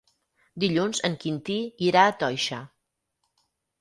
Dilluns en Quintí irà a Toixa.